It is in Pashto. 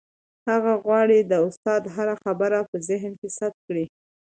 هغه غواړي د استاد هره خبره په ذهن کې ثبت کړي.